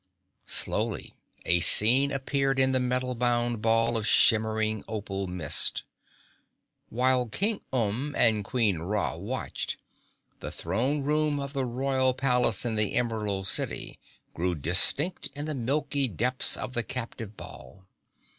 Slowly a scene appeared in the metal bound ball of shimmering opal mist. While King Umb and Queen Ra watched, the Throne Room of the Royal Palace in the Emerald City grew distinct in the milky depths of the captive ball.